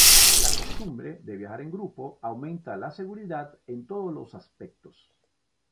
La costumbre de viajar en grupo aumenta la seguridad en todos los aspectos.